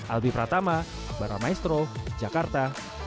albi pratama barra maestro jakarta